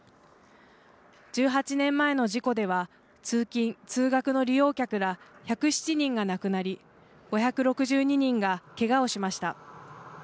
１８年前の事故では、通勤・通学の利用客ら１０７人が亡くなり、５６２人がけがをしました。